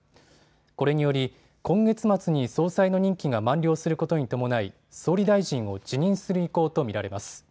これにより今月末に総裁の任期が満了することに伴い総理大臣を辞任する意向と見られます。